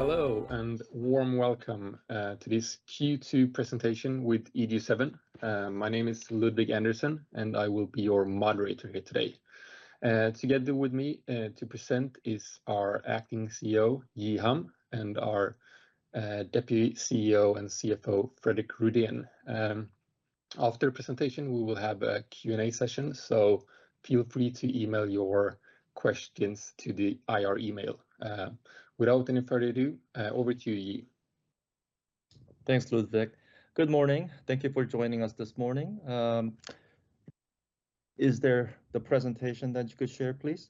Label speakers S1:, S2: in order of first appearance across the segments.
S1: Hello and a warm welcome to this Q2 presentation with EG7. My name is Ludvig Andersson, and I will be your moderator here today. Together with me to present are our Acting CEO, Ji Ham, and our Deputy CEO and CFO, Fredrik Rüdén. After the presentation, we will have a Q&A session, so feel free to email your questions to the IR email. Without any further ado, over to you, Ji.
S2: Thanks, Ludwig. Good morning. Thank you for joining us this morning. Is there a presentation that you could share, please?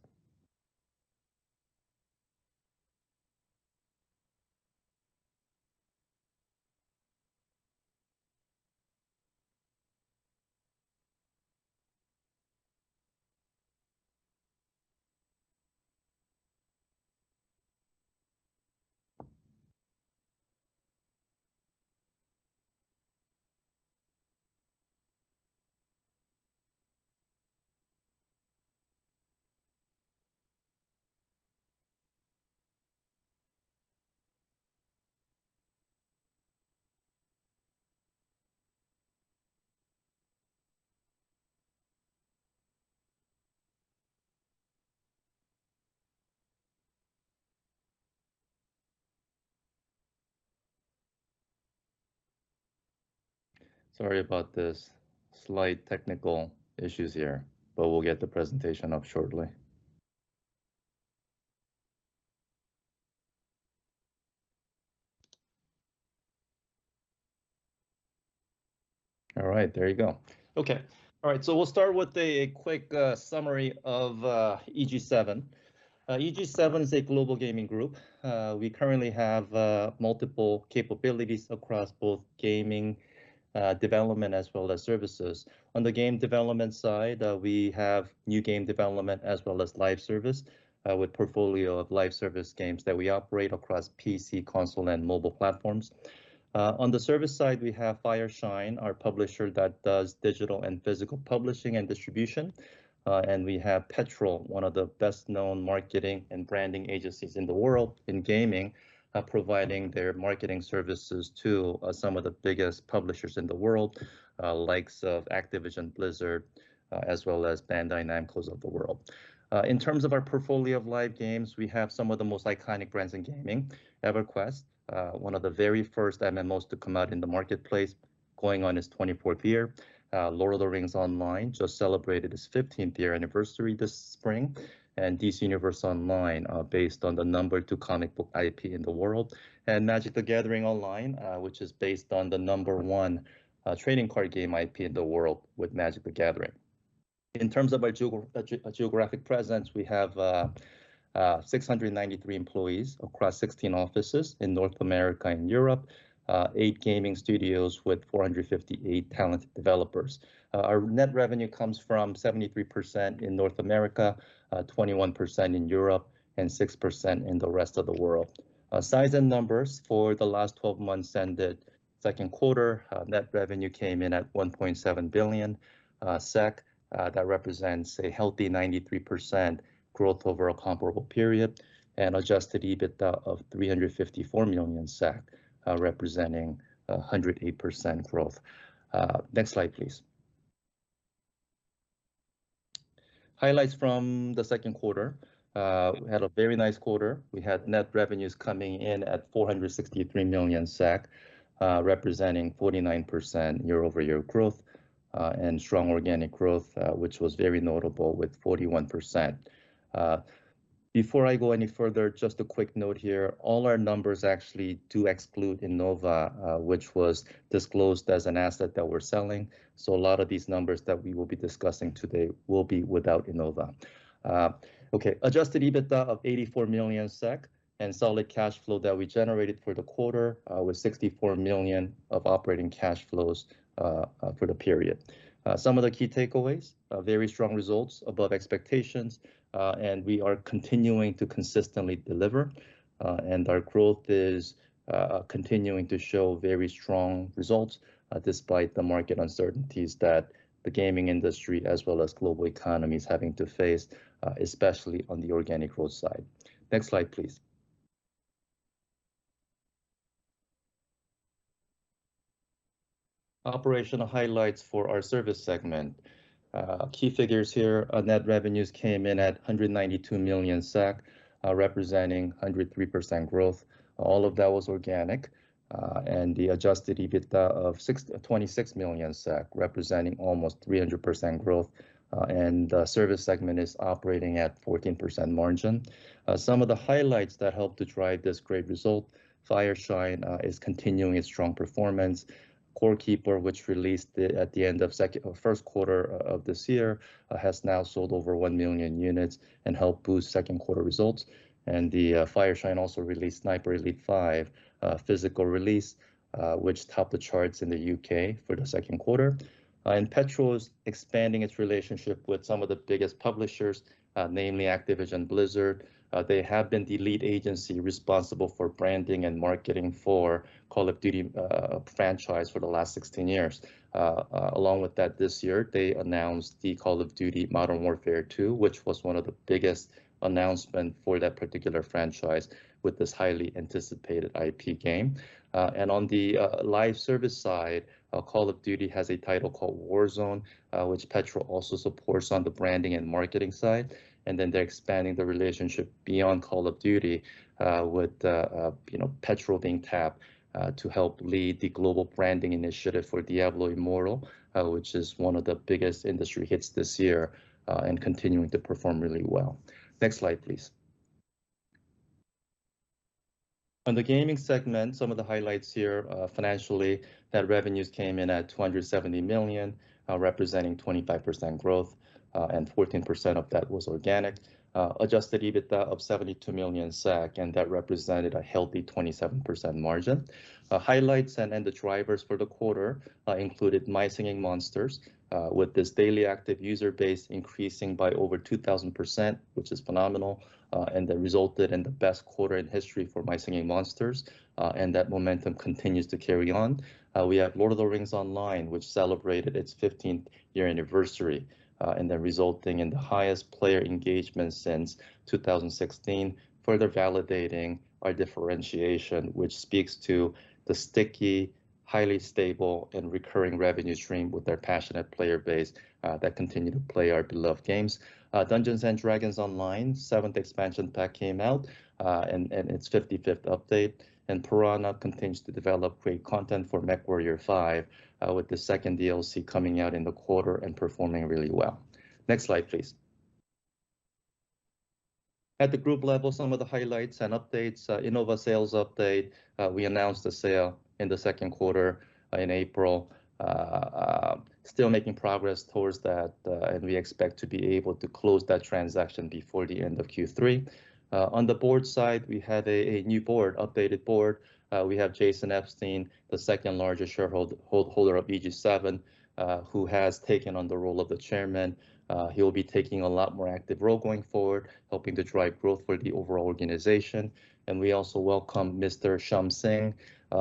S2: Sorry about these slight technical issues here, but we'll get the presentation up shortly. All right, there you go. Okay. All right, we'll start with a quick summary of EG7. EG7 is a global gaming group. We currently have multiple capabilities across both gaming development and services. On the game development side, we have new game development, as well as live service with a portfolio of live service games that we operate across PC, console, and mobile platforms. On the service side, we have Fireshine, our publisher that does digital and physical publishing and distribution. We have Petrol, one of the best-known marketing and branding agencies in the world of gaming, providing their marketing services to some of the biggest publishers in the world, such as Activision Blizzard and Bandai Namco. In terms of our portfolio of live games, we have some of the most iconic brands in gaming: EverQuest, one of the very first MMOs to come out in the marketplace, now in its 24th year; The Lord of the Rings Online, which just celebrated its 15th anniversary this spring; DC Universe Online, based on the number two comic book IP in the world; and Magic: The Gathering Online, which is based on Magic: The Gathering, the number one trading card game IP in the world. In terms of our geographic presence, we have 693 employees across 16 offices in North America and Europe: eight gaming studios with 458 talented developers. Our net revenue comes 73% from North America, 21% from Europe, and 6% from the rest of the world. For the last twelve months ended the second quarter, net revenue came in at 1.7 billion SEK. That represents a healthy 93% growth over a comparable period. Adjusted EBITDA was SEK 354 million, representing 108% growth. Next slide, please. Highlights from the second quarter: We had a very nice quarter. We had net revenues coming in at 463 million SEK, representing 49% year-over-year growth, and strong organic growth, which was very notable at 41%. Before I go any further, just a quick note here: all our numbers actually do exclude Innova, which was disclosed as an asset that we're selling. So, a lot of these numbers that we will be discussing today will be without Innova. Okay, adjusted EBITDA was 84 million SEK, and we generated solid cash flow for the quarter, with 64 million of operating cash flows for the period. Some of the key takeaways are very strong results above expectations, and we are continuing to consistently deliver. Our growth continues to show very strong results, despite the market uncertainties that the gaming industry and global economy are having to face, especially on the organic growth side. Next slide, please. Operational highlights for our service segment. Key figures here. Net revenues came in at 192 million SEK, representing 103% growth. All of that was organic. The adjusted EBITDA of 26 million SEK represents almost 300% growth. The service segment is operating at a 14% margin. Some of the highlights that helped to drive this great result: Fireshine is continuing its strong performance. Core Keeper, which was released at the end of the first quarter of this year, has now sold over 1 million units and helped boost second-quarter results. Fireshine also released Sniper Elite 5, a physical release that topped the charts in the UK for the second quarter. Petrol is expanding its relationship with some of the biggest publishers, namely Activision Blizzard. They have been the lead agency responsible for branding and marketing for the Call of Duty franchise for the last 16 years. Along with that, this year they announced Call of Duty: Modern Warfare II, which was one of the biggest announcements for that particular franchise with this highly anticipated IP game. On the live service side, Call of Duty has a title called Warzone, which Petrol also supports on the branding and marketing side. Then they're expanding the relationship beyond Call of Duty, with Petrol being tapped to help lead the global branding initiative for Diablo Immortal, which is one of the biggest industry hits this year and continuing to perform really well. Next slide, please. On the gaming segment, some of the highlights here, financially, net revenues came in at 270 million, representing 25% growth, and 14% of that was organic. Adjusted EBITDA of 72 million SEK represented a healthy 27% margin. Highlights and the drivers for the quarter included My Singing Monsters, with its daily active user base increasing by over 2,000%, which is phenomenal. That resulted in the best quarter in history for My Singing Monsters, and that momentum continues to carry on. We have Lord of the Rings Online, which celebrated its 15th-year anniversary, resulting in the highest player engagement since 2016, further validating our differentiation, which speaks to the sticky, highly stable, and recurring revenue stream with their passionate player base that continues to play our beloved games. Dungeons & Dragons Online's 7th expansion pack came out, and its 55th update, and Piranha continues to develop great content for MechWarrior 5 with the second DLC coming out in the quarter and performing really well. Next slide, please. At the group level, some of the highlights and updates include an Innova sales update. We announced the sale in the second quarter, in April. We are still making progress toward that and expect to be able to close that transaction before the end of Q3. On the board side, we have a new, updated board. Jason Epstein, the second-largest shareholder of EG7, has taken on the role of chairman. He will be taking a much more active role going forward, helping to drive growth for the overall organization. We also welcome Mr. Shyam Singh,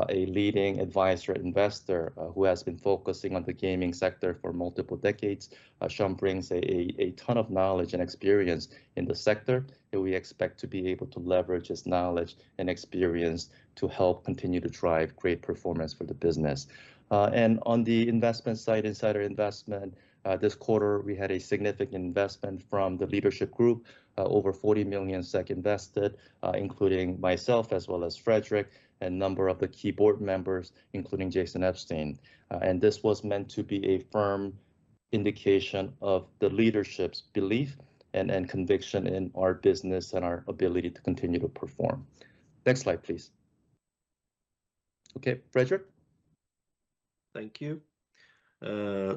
S2: a leading advisor and investor, who has been focusing on the gaming sector for multiple decades. Shyam brings a ton of knowledge and experience in the sector, and we expect to be able to leverage his knowledge and experience to help continue to drive great performance for the business. On the investment side, insider investment, this quarter, we had a significant investment from the leadership group: over 40 million SEK invested, including myself as well as Fredrik and a number of key board members, including Jason Epstein. This was meant to be a firm indication of the leadership's belief and conviction in our business and our ability to continue to perform. Next slide, please. Okay, Fredrik.
S3: Thank you.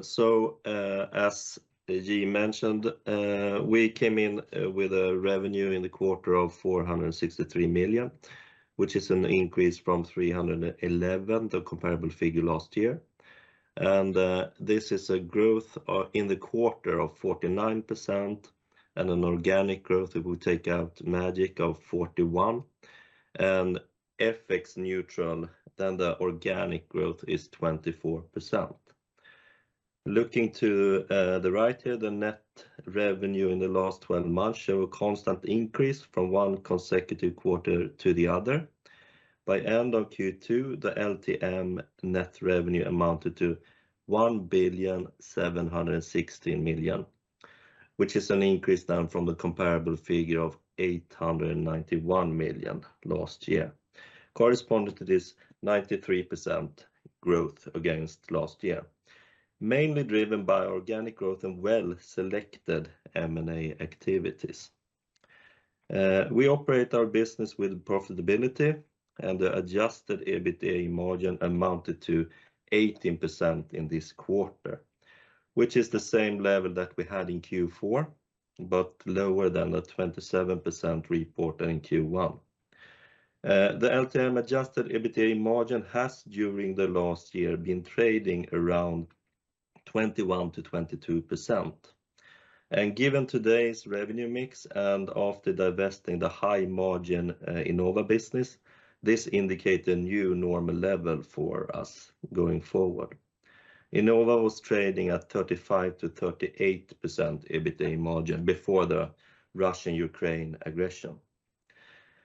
S3: So, as Ji mentioned, we came in with a revenue in the quarter of 463 million, which is an increase from 311, the comparable figure last year. This is a growth in the quarter of 49%, and an organic growth, if we take out Magic, of 41%. FX neutral, the organic growth is 24%. Looking to the right here, the net revenue in the last twelve months shows a constant increase from one consecutive quarter to the other. By the end of Q2, the LTM net revenue amounted to 1,716 million, which is an increase from the comparable figure of 891 million last year, corresponding to this 93% growth against last year, mainly driven by organic growth and well-selected M&A activities. We operate our business with profitability, and the adjusted EBITDA margin amounted to 18% this quarter, which is the same level we had in Q4, but lower than the 27% reported in Q1. The LTM adjusted EBITDA margin has, during the last year, been trading around 21%-22%. Given today's revenue mix and after divesting the high-margin Innova business, this indicates the new normal level for us going forward. Innova was trading at a 35%-38% EBITDA margin before the Russian-Ukraine aggression.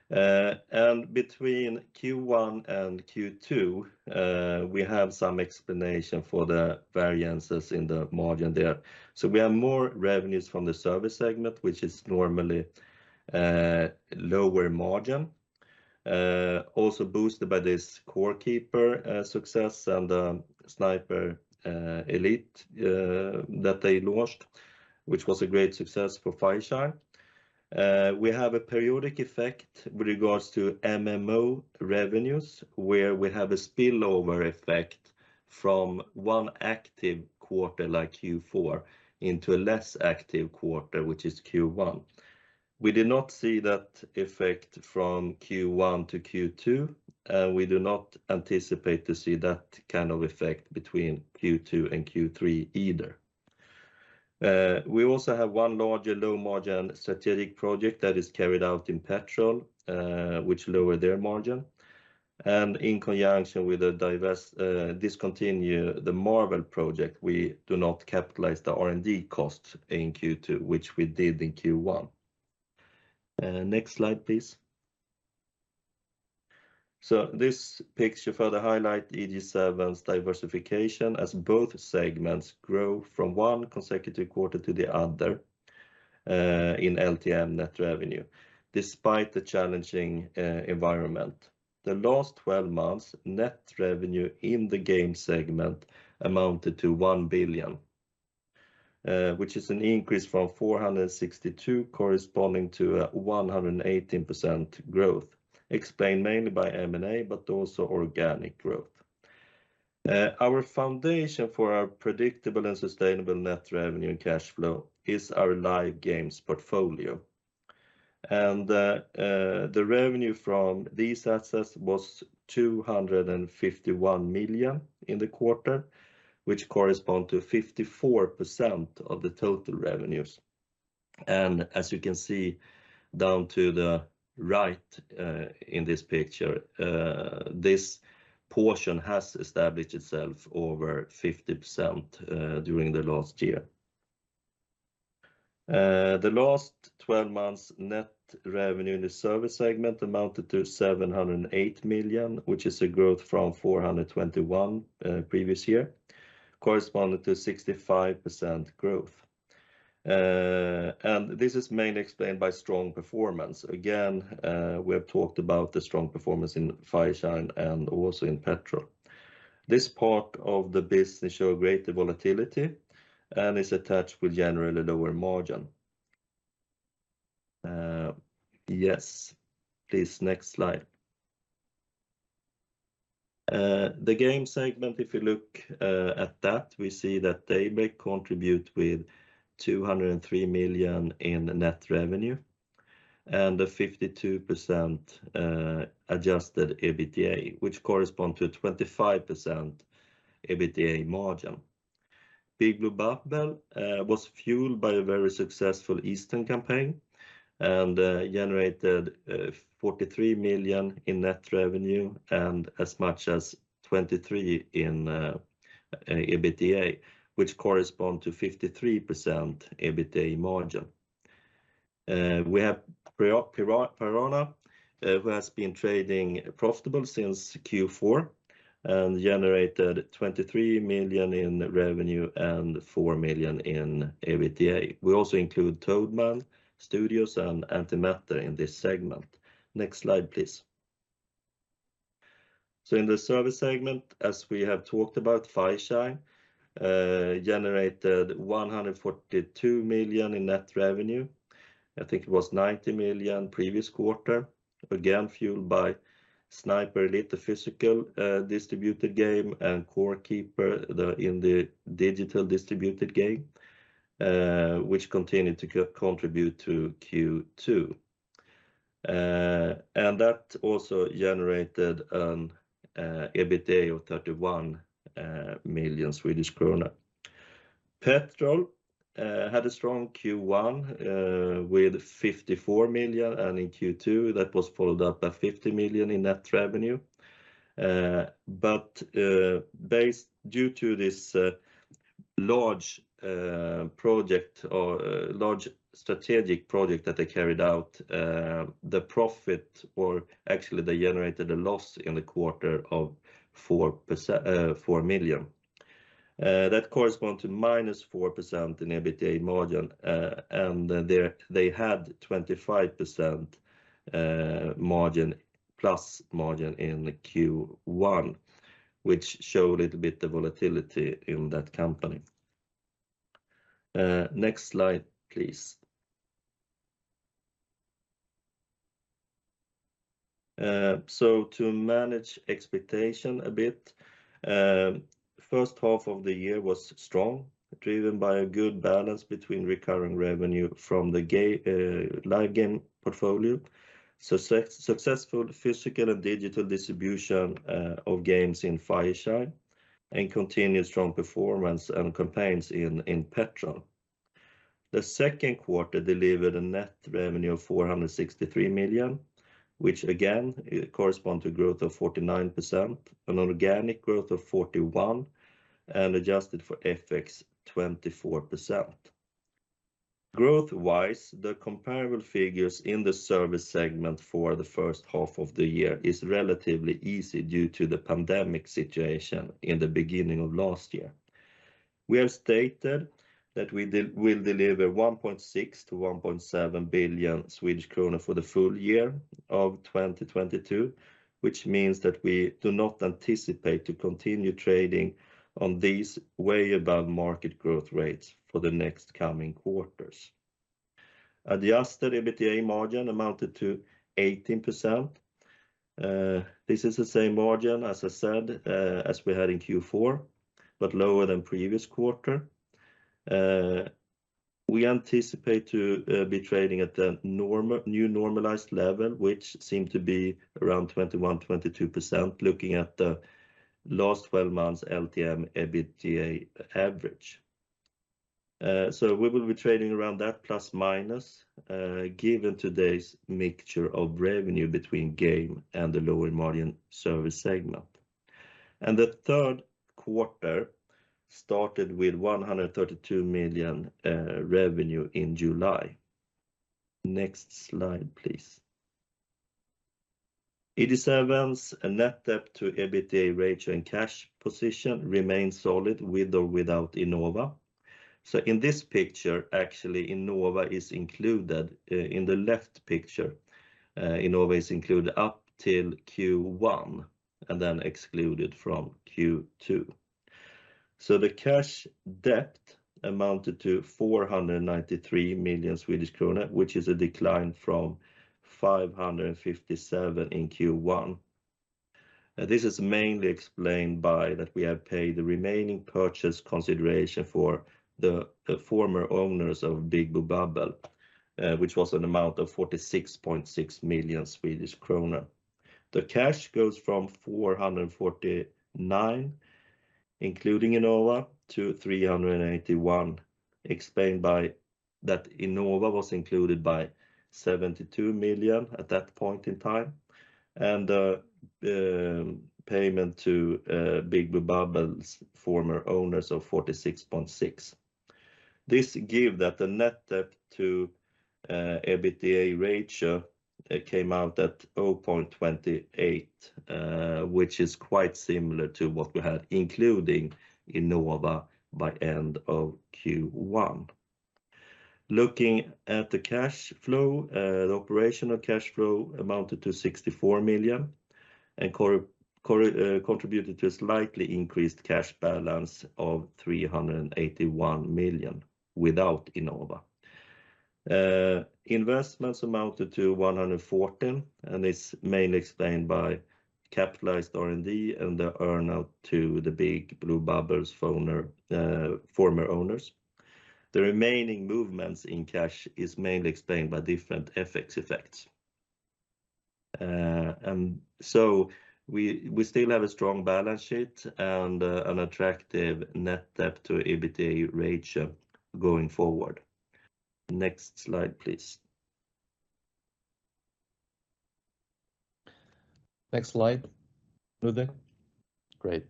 S3: Between Q1 and Q2, we have some explanation for the variances in the margin there. We have more revenues from the service segment, which is normally lower margin, also boosted by the Core Keeper success and Sniper Elite that they launched, which was a great success for Fireshine. We have a periodic effect with regard to MMO revenues, where we have a spillover effect from one active quarter like Q4 into a less active quarter, which is Q1. We did not see that effect from Q1 to Q2, and we do not anticipate seeing that kind of effect between Q2 and Q3 either. We also have one larger low-margin strategic project that is carried out in Petrol, which lowers its margin. In conjunction with the discontinuation of the Marvel project, we did not capitalize the R&D costs in Q2, which we did in Q1. Next slide, please. This picture further highlights EG7's diversification as both segments grew from one consecutive quarter to the other in LTM net revenue, despite the challenging environment. Over the last twelve months, net revenue in the game segment amounted to 1 billion, an increase from 462 million, corresponding to 118% growth, explained mainly by M&A, but also by organic growth. Our foundation for predictable and sustainable net revenue and cash flow is our live games portfolio. The revenue from these assets was 251 million in the quarter, which corresponds to 54% of the total revenues. As you can see in the bottom right of this picture, this portion has been over 50% during the last year. Over the last twelve months, net revenue in the service segment amounted to 708 million, a growth from 421 million the previous year, corresponding to 65% growth. This is mainly explained by strong performance. Again, we have talked about the strong performance in Fireshine and also in Petrol. This part of the business shows greater volatility and is associated with generally lower margins. Yes, please, next slide. Looking at the game segment, we see that it contributed 203 million in net revenue and a 52% adjusted EBITDA, which corresponds to a 25% EBITDA margin. Big Blue Bubble was fueled by a very successful Easter campaign and generated 43 million in net revenue and as much as 23 million in EBITDA, which corresponds to a 53% EBITDA margin. We have Piranha, who has been trading profitably since Q4 and generated 23 million in revenue and 4 million in EBITDA. We also include Toadman Studios and Antimatter Games in this segment. Next slide, please. In the service segment, as we have talked about, Fireshine Games generated 142 million in net revenue. I think it was 90 million the previous quarter, again fueled by Sniper Elite, the physical distributed game, and Core Keeper, in the digitally distributed game, which continued to contribute to Q2. That also generated an EBITDA of 31 million Swedish krona. Petrol had a strong Q1 with 54 million, and in Q2, that was followed up by 50 million in net revenue. Due to this large project or large strategic project that they carried out, the profit, or actually, they generated a loss in the quarter of 4 million. That corresponds to -4% in EBITDA margin, and they had a 25% plus margin in Q1, which shows a little bit of the volatility in that company. Next slide, please. To manage expectations a bit, the first half of the year was strong, driven by a good balance between recurring revenue from the live game portfolio, successful physical and digital distribution of games in Fireshine, and continued strong performance and campaigns in Petrol. The second quarter delivered a net revenue of 463 million, which again corresponds to growth of 49%, an organic growth of 41%, and adjusted for FX, 24%. Growth-wise, the comparable figures in the service segment for the first half of the year are relatively easy to achieve due to the pandemic situation at the beginning of last year. We have stated that we will deliver 1.6 billion-1.7 billion Swedish krona for the full year of 2022, which means that we do not anticipate continuing to trade at these way-above-market growth rates for the next coming quarters. Adjusted EBITDA margin amounted to 18%. This is the same margin, as I said, as we had in Q4, but lower than the previous quarter. We anticipate trading at the new normalized level, which seems to be around 21%-22% looking at the last 12 months LTM EBITDA average. We will be trading around that, plus or minus, given today's mixture of revenue between games and the lower-margin service segment. The third quarter started with 132 million in revenue in July. Next slide, please. EG7's net debt-to-EBITDA ratio and cash position remain solid with or without Innova. In this picture, Innova is included in the left picture up until Q1 and then excluded from Q2. The cash debt amounted to 493 million Swedish kronor, which is a decline from 557 million in Q1. This is mainly explained by the fact that we have paid the remaining purchase consideration for the former owners of Big Blue Bubble, which was an amount of 46.6 million Swedish kronor. The cash went from 449 million, including Innova, to 381 million, explained by the fact that Innova was included by 72 million at that point in time, and payment to Big Blue Bubble's former owners of 46.6 million. This means that the net debt to EBITDA ratio came out at 0.28, which is quite similar to what we had, including Innova, by the end of Q1. Looking at the cash flow, the operational cash flow amounted to 64 million and contributed to a slightly increased cash balance of 381 million without Innova. Investments amounted to 114 million, and this is mainly explained by capitalized R&D and the earn-out to Big Blue Bubble's former owners. The remaining movements in cash are mainly explained by different FX effects. We still have a strong balance sheet and an attractive net debt-to-EBITDA ratio going forward. Next slide, please.
S2: Next slide. Rüdén. Great.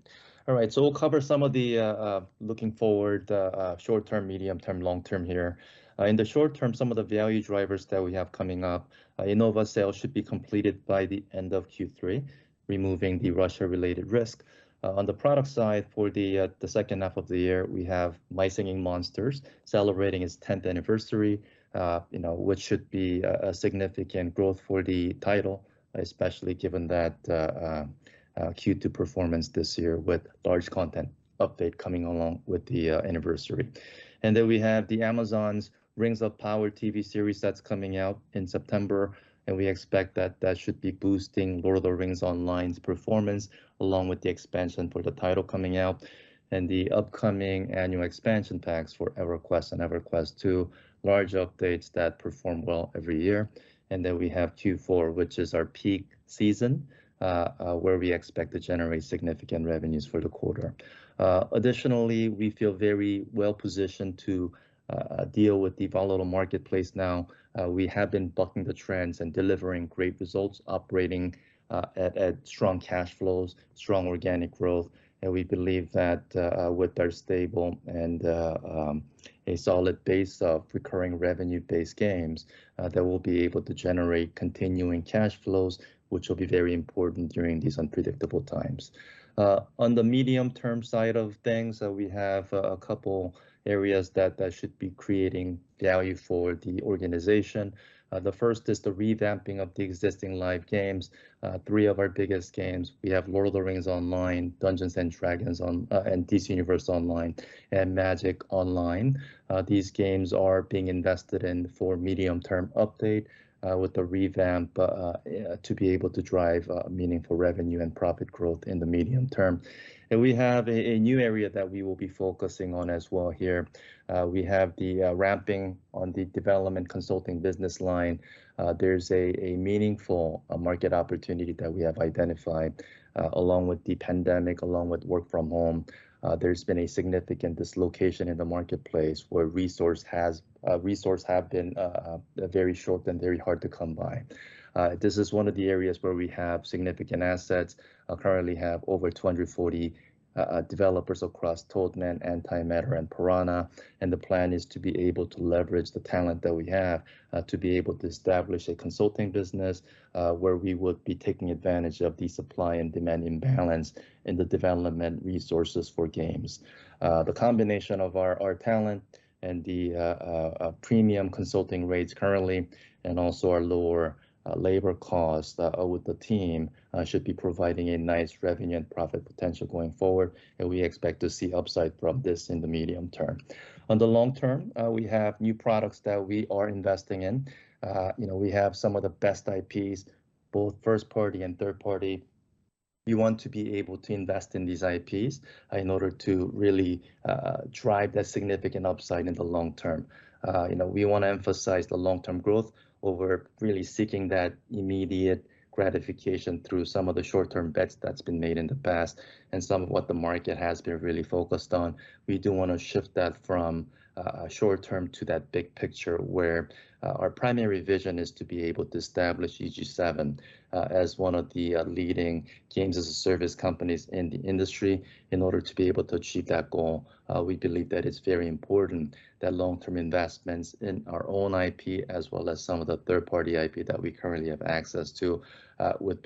S2: All right, so we'll cover some of the looking forward, short-term, medium-term, and long-term here. In the short term, some of the value drivers that we have coming up are that Innova sales should be completed by the end of Q3, removing the Russia-related risk. On the product side for the second half of the year, we have My Singing Monsters celebrating its tenth anniversary, which should be significant growth for the title, especially given its Q2 performance this year with a large content update coming along with the anniversary. We have Amazon's *The Rings of Power* TV series coming out in September, and we expect that to boost *The Lord of the Rings Online*'s performance, along with the expansion for the title coming out and the upcoming annual expansion packs for *EverQuest* and *EverQuest II*, large updates that perform well every year. We have Q4, which is our peak season, where we expect to generate significant revenue for the quarter. Additionally, we feel very well positioned to deal with the volatile marketplace now. We have been bucking trends and delivering great results, operating with strong cash flows and strong organic growth. We believe that with our stable and solid base of recurring revenue-based games, we'll be able to generate continuing cash flows, which will be very important during these unpredictable times. In the medium term, we have a couple of areas that should be creating value for the organization. The first is the revamping of our existing live games, three of our biggest games: The Lord of the Rings Online, Dungeons & Dragons Online, DC Universe Online, and Magic: The Gathering Online. These games are being invested in for a medium-term update with the revamp to be able to drive meaningful revenue and profit growth in the medium term. We also have a new area that we will be focusing on. We are ramping up the development consulting business line. There's a meaningful market opportunity that we have identified, along with the pandemic and the shift to work from home. There's been a significant dislocation in the marketplace where resources have been very short and very hard to come by. This is one of the areas where we have significant assets, currently over 240 developers across Toadman, Antimatter, and Piranha. The plan is to be able to leverage the talent that we have to establish a consulting business where we would be taking advantage of the supply and demand imbalance in the development resources for games. The combination of our talent and the premium consulting rates currently, as well as our lower labor cost with the team, should provide nice revenue and profit potential going forward. We expect to see upside from this in the medium term. In the long term, we have new products that we are investing in. You know, we have some of the best IPs, both first-party and third-party. We want to be able to invest in these IPs in order to really drive significant upside in the long term. You know, we want to emphasize long-term growth over really seeking immediate gratification through some of the short-term bets that have been made in the past and some of what the market has been really focused on. We want to shift that from short-term to the big picture where our primary vision is to establish EG7 as one of the leading games-as-a-service companies in the industry. To achieve that goal, we believe it's very important to make long-term investments in our own IP, as well as some of the third-party IP that we currently have access to. In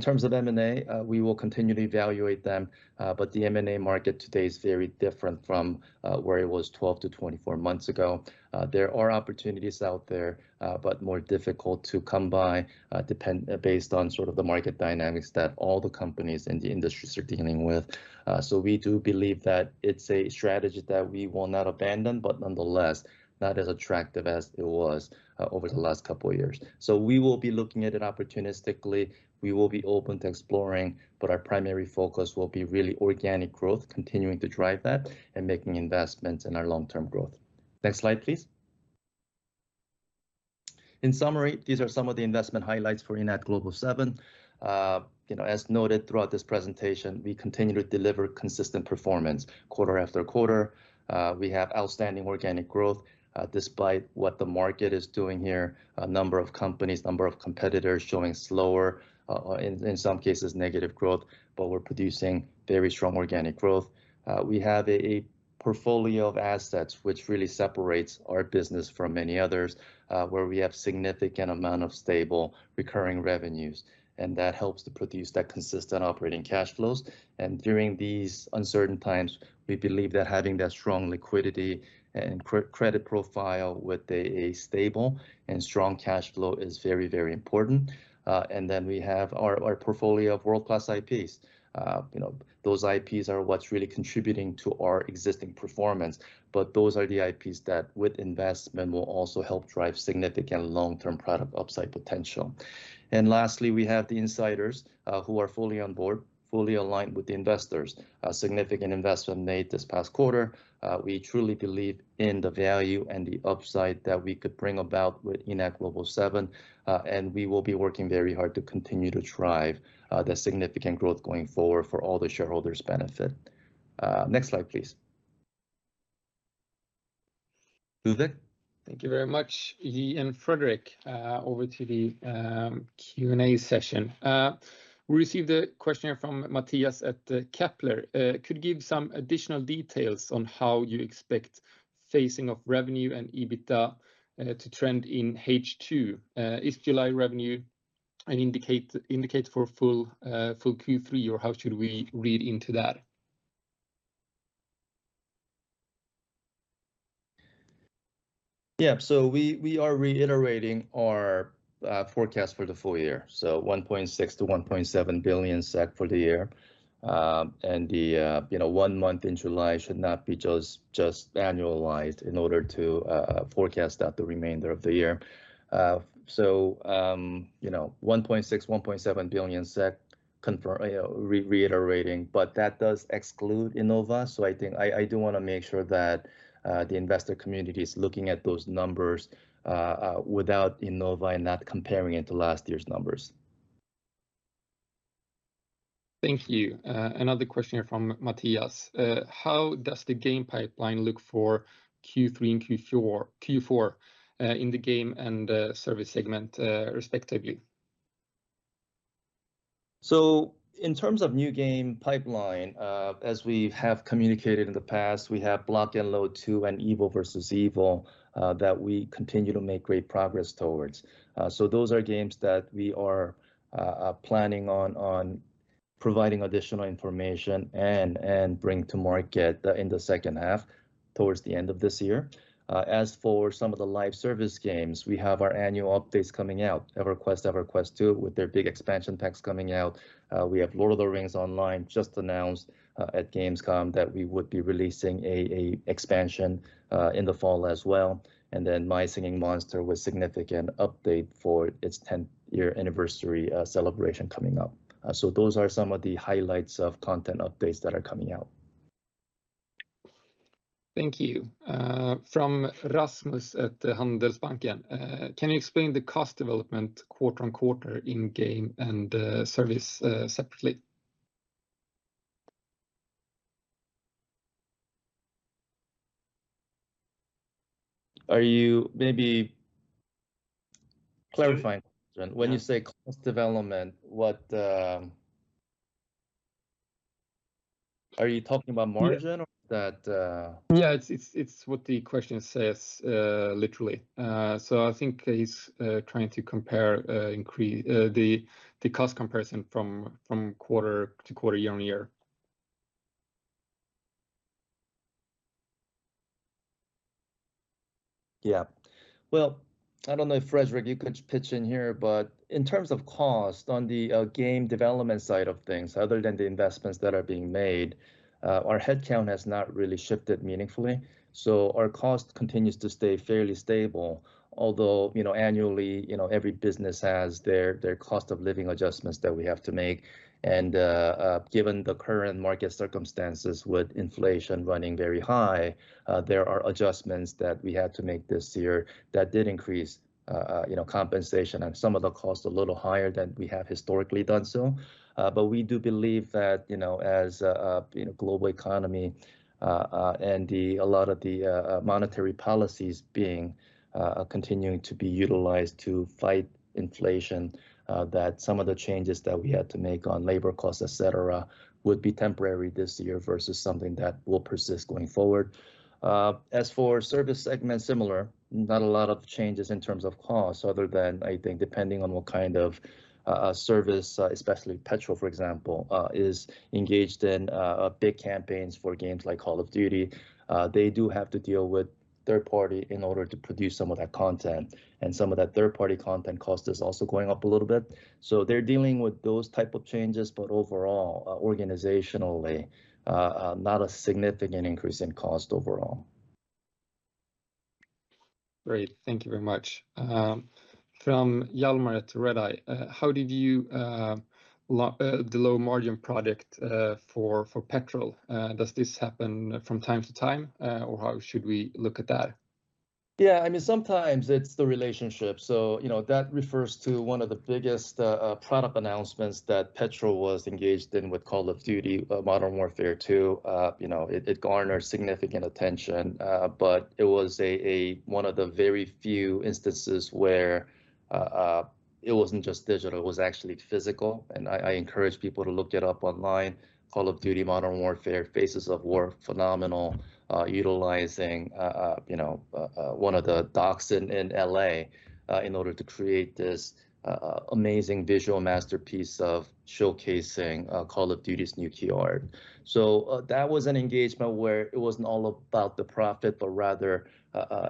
S2: terms of M&A, we will continue to evaluate them, but the M&A market today is very different from where it was 12-24 months ago. There are opportunities out there, but more difficult to come by, based on sort of the market dynamics that all the companies in the industries are dealing with. We do believe that it's a strategy that we will not abandon, but nonetheless, not as attractive as it was, over the last couple of years. We will be looking at it opportunistically. We will be open to exploring, but our primary focus will be really organic growth, continuing to drive that, and making investments in our long-term growth. Next slide, please. In summary, these are some of the investment highlights for Enad Global 7. You know, as noted throughout this presentation, we continue to deliver consistent performance quarter after quarter. We have outstanding organic growth, despite what the market is doing here, a number of companies, number of competitors showing slower, in some cases, negative growth, but we're producing very strong organic growth. We have a portfolio of assets which really separates our business from many others, where we have significant amount of stable recurring revenues, and that helps to produce that consistent operating cash flows. During these uncertain times, we believe that having that strong liquidity and credit profile with a stable and strong cash flow is very, very important. We have our portfolio of world-class IPs. You know, those IPs are what's really contributing to our existing performance, but those are the IPs that with investment will also help drive significant long-term product upside potential. Lastly, we have the insiders, who are fully on board, fully aligned with the investors. A significant investment made this past quarter. We truly believe in the value and the upside that we could bring about with Enad Global 7, and we will be working very hard to continue to drive that significant growth going forward for all the shareholders' benefit. Next slide, please.
S1: Thank you very much, Ji and Fredrik. Over to the Q&A session. We received a question here from Matthias at Kepler Cheuvreux. Could you give some additional details on how you expect phasing of revenue and EBITDA to trend in H2? Is July revenue an indicator for a full Q3, or how should we read into that?
S2: We are reiterating our forecast for the full year, 1.6 billion to 1.7 billion SEK for the year. One month in July should not be just annualized in order to forecast out the remainder of the year. 1.6 billion, 1.7 billion SEK reiterating, but that does exclude Innova. I think I do wanna make sure that the investor community is looking at those numbers without Innova and not comparing it to last year's numbers.
S1: Thank you. Another question here from Matthias. How does the game pipeline look for Q3 and Q4 in the game and service segment, respectively?
S2: In terms of new game pipeline, as we have communicated in the past, we have Block N Load 2 and EvilVEvil that we continue to make great progress towards. Those are games that we are planning on providing additional information and bring to market in the second half, towards the end of this year. As for some of the live service games, we have our annual updates coming out, EverQuest 2, with their big expansion packs coming out. We have Lord of the Rings Online just announced at Gamescom that we would be releasing a expansion in the fall as well, and then My Singing Monsters with significant update for its tenth-year anniversary celebration coming up. Those are some of the highlights of content updates that are coming out.
S1: Thank you. From Rasmus at Handelsbanken. Can you explain the cost development quarter-over-quarter in gaming and services separately?
S2: Are you maybe clarifying the question. When you say cost development, what, are you talking about margin or that
S1: Yeah, it's what the question says, literally. I think he's trying to compare the cost comparison from quarter to quarter, year-over-year.
S2: Yeah. Well, I don't know if Fredrik you could pitch in here, but in terms of cost on the game development side of things, other than the investments that are being made, our headcount has not really shifted meaningfully, so our cost continues to stay fairly stable. Although, you know, annually, you know, every business has their cost of living adjustments that we have to make. Given the current market circumstances with inflation running very high, there are adjustments that we had to make this year that did increase, you know, compensation and some of the costs a little higher than we have historically done so. We do believe that, you know, as a global economy and a lot of the monetary policies continuing to be utilized to fight inflation, that some of the changes that we had to make on labor costs, et cetera, would be temporary this year versus something that will persist going forward. As for service segment, similar, not a lot of changes in terms of costs other than I think depending on what kind of service, especially Petrol, for example, is engaged in big campaigns for games like Call of Duty. They do have to deal with third-party in order to produce some of that content, and some of that third-party content cost is also going up a little bit. They're dealing with those type of changes, but overall, organizationally, not a significant increase in cost overall.
S1: Great. Thank you very much. From Hjalmar at Redeye. How did you look at the low margin product for Petrol? Does this happen from time to time, or how should we look at that?
S2: Yeah, I mean, sometimes it's the relationship. You know, that refers to one of the biggest product announcements that Petrol was engaged in with Call of Duty: Modern Warfare II. You know, it garnered significant attention, but it was one of the very few instances where it wasn't just digital, it was actually physical. I encourage people to look it up online, Call of Duty: Modern Warfare, Faces of War. Phenomenal, utilizing you know one of the docks in L.A. in order to create this amazing visual masterpiece of showcasing Call of Duty's new key art. That was an engagement where it wasn't all about the profit, but rather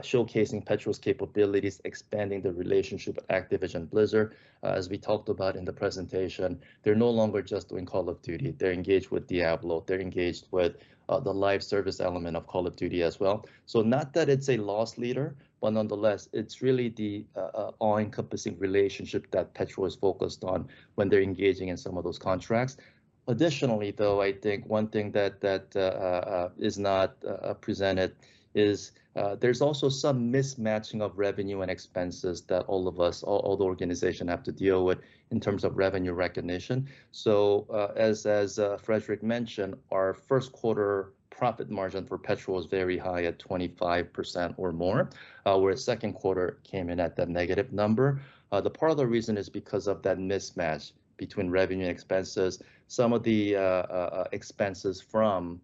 S2: showcasing Petrol's capabilities, expanding the relationship with Activision Blizzard. As we talked about in the presentation, they're no longer just doing Call of Duty. They're engaged with Diablo. They're engaged with the live service element of Call of Duty as well. Not that it's a loss leader, but nonetheless, it's really the all-encompassing relationship that Petrol is focused on when they're engaging in some of those contracts. Additionally, though, I think one thing that is not presented is there's also some mismatching of revenue and expenses that all of us, all the organization have to deal with in terms of revenue recognition. As Fredrik mentioned, our first quarter profit margin for Petrol was very high at 25% or more. Whereas second quarter came in at that negative number. The part of the reason is because of that mismatch between revenue and expenses. Some of the expenses from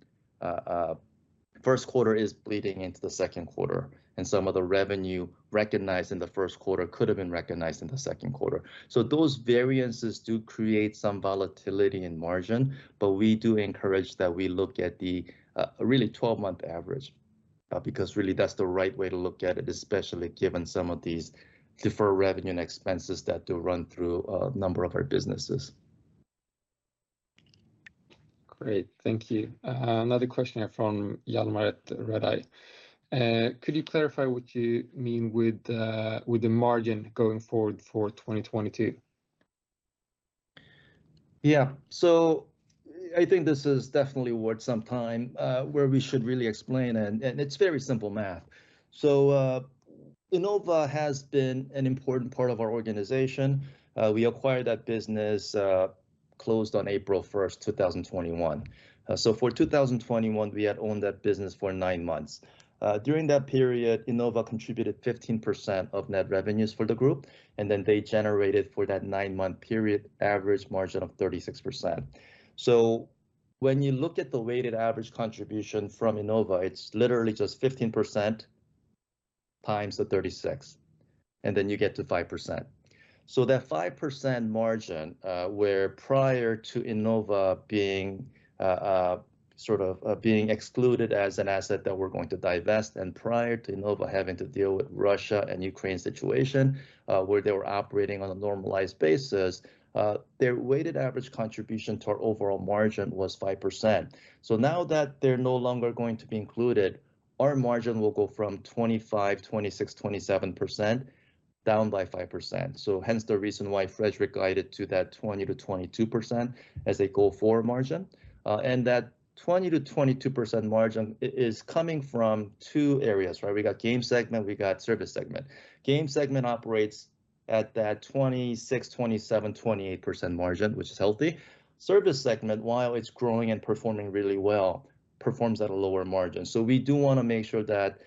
S2: first quarter is bleeding into the second quarter, and some of the revenue recognized in the first quarter could have been recognized in the second quarter. Those variances do create some volatility in margin. We do encourage that we look at the really 12-month average, because really that's the right way to look at it, especially given some of these deferred revenue and expenses that do run through a number of our businesses.
S1: Great. Thank you. Another question here from Hjalmar at Redeye. Could you clarify what you mean with the margin going forward for 2022?
S2: Yeah. I think this is definitely worth some time where we should really explain, and it's very simple math. Innova has been an important part of our organization. We acquired that business, closed on April first, 2021. For 2021, we had owned that business for 9 months. During that period, Innova contributed 15% of net revenues for the group, and then they generated for that 9-month period average margin of 36%. When you look at the weighted average contribution from Innova, it's literally just 15% times the 36, and then you get to 5%. That 5% margin, where prior to Innova being excluded as an asset that we're going to divest and prior to Innova having to deal with Russia and Ukraine situation, where they were operating on a normalized basis, their weighted average contribution to our overall margin was 5%. Now that they're no longer going to be included, our margin will go from 25, 26, 27% down by 5%. Hence the reason why Fredrik guided to that 20%-22% as a go-forward margin. That 20%-22% margin is coming from two areas, right? We got game segment, we got service segment. Game segment operates at that 26, 27, 28% margin, which is healthy. Service segment, while it's growing and performing really well, performs at a lower margin. We do wanna make sure that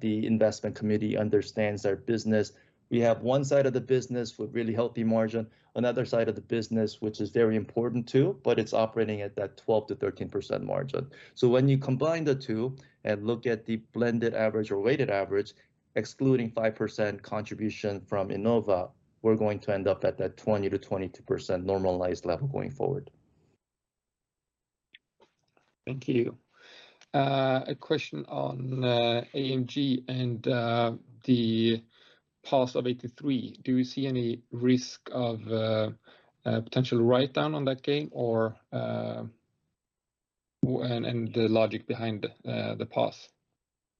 S2: the investment committee understands our business. We have one side of the business with really healthy margin, another side of the business, which is very important too, but it's operating at that 12%-13% margin. When you combine the two and look at the blended average or weighted average, excluding 5% contribution from Innova, we're going to end up at that 20%-22% normalized level going forward.
S1: Thank you. A question on AMG and the path of '83. Do you see any risk of a potential write-down on that game or the logic behind the path?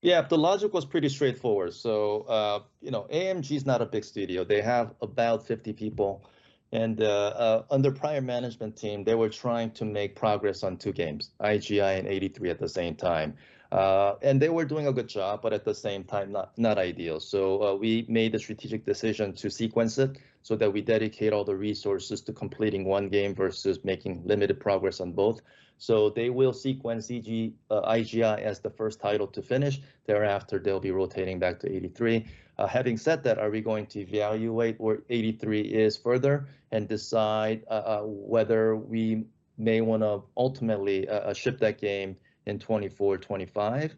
S2: Yeah, the logic was pretty straightforward. You know, Antimatter Games is not a big studio. They have about 50 people, and under prior management team, they were trying to make progress on two games, IGI and '83 at the same time. They were doing a good job, but at the same time, not ideal. We made the strategic decision to sequence it so that we dedicate all the resources to completing one game versus making limited progress on both. They will sequence IGI as the first title to finish. Thereafter, they'll be rotating back to '83. Having said that, are we going to evaluate where '83 is further and decide whether we may wanna ultimately ship that game in 2024, 2025?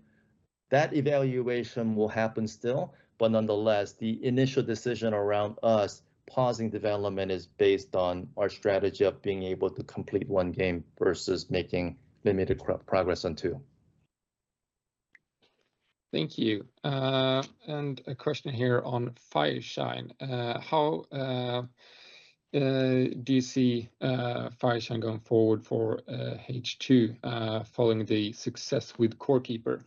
S2: That evaluation will happen still, but nonetheless, the initial decision around us pausing development is based on our strategy of being able to complete one game versus making limited progress on two.
S1: Thank you. A question here on Fireshine. How do you see Fireshine going forward for H2, following the success with Core Keeper?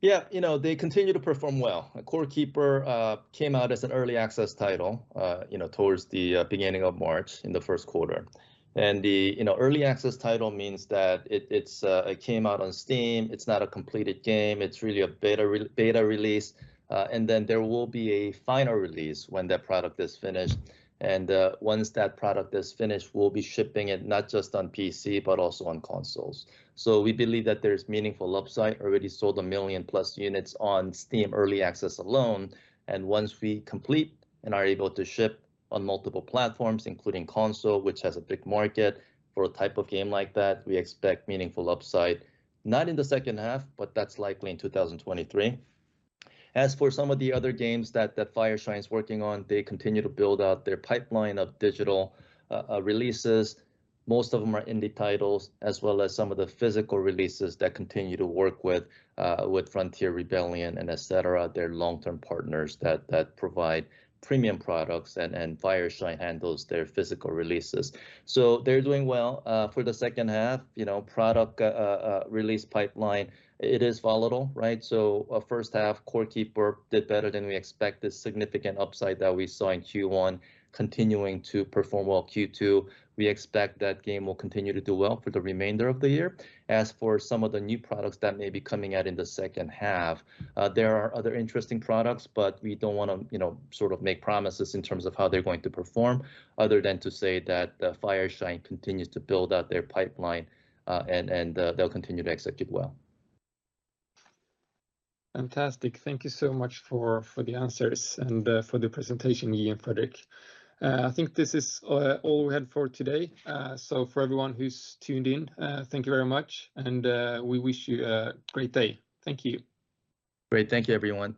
S2: Yeah. You know, they continue to perform well. Core Keeper came out as an early access title, you know, towards the beginning of March in the first quarter. The early access title means that it came out on Steam, it's not a completed game, it's really a beta release. Then there will be a final release when that product is finished. Once that product is finished, we'll be shipping it not just on PC, but also on consoles. We believe that there's meaningful upside. Already sold 1 million+ units on Steam early access alone, and once we complete and are able to ship on multiple platforms, including console, which has a big market for a type of game like that, we expect meaningful upside, not in the second half, but that's likely in 2023. As for some of the other games that Fireshine's working on, they continue to build out their pipeline of digital releases. Most of them are indie titles, as well as some of the physical releases that continue to work with Frontier, Rebellion and et cetera, their long-term partners that provide premium products, and Fireshine handles their physical releases. So they're doing well. For the second half, you know, product release pipeline, it is volatile, right? First half, Core Keeper did better than we expected, significant upside that we saw in Q1 continuing to perform well Q2. We expect that game will continue to do well for the remainder of the year. As for some of the new products that may be coming out in the second half, there are other interesting products, but we don't wanna, you know, sort of make promises in terms of how they're going to perform other than to say that, Fireshine continues to build out their pipeline, and they'll continue to execute well.
S1: Fantastic. Thank you so much for the answers and for the presentation, Ji and Fredrik. I think this is all we had for today. For everyone who's tuned in, thank you very much and we wish you a great day. Thank you.
S2: Great. Thank you, everyone.